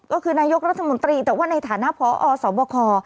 ก็คือนายกรัฐมนตรีแต่ว่าในฐานะพอสบค